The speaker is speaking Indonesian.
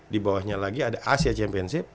di bawahnya lagi ada asia championship